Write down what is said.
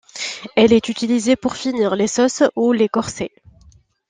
Elle est utilisée pour finir les sauces ou les corser.